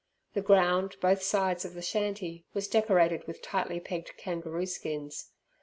The ground both sides of the shanty was decorated with tightly pegged kangaroo skins.